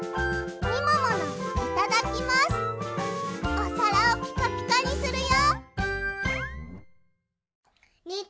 おさらをピカピカにするよ。